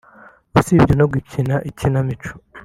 usibye no gukina ikinamico